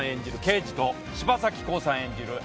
刑事と柴咲コウさん演じる